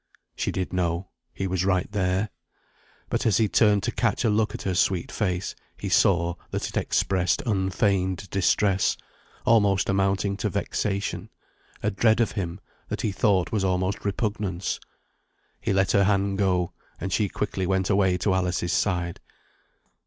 She did know he was right there. But as he turned to catch a look at her sweet face, he saw that it expressed unfeigned distress, almost amounting to vexation; a dread of him, that he thought was almost repugnance. He let her hand go, and she quickly went away to Alice's side.